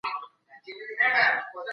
نجوني د هلکانو په څیر د زده کړي حق لري.